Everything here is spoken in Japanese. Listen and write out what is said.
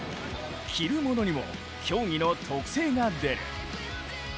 着るものにも競技の特性が出る。